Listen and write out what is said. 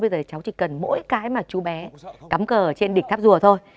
bây giờ cháu chỉ cần mỗi cái mà chú bé cắm cờ trên địch tháp rùa thôi